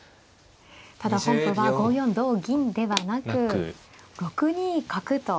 ただ本譜は５四同銀ではなく６二角と。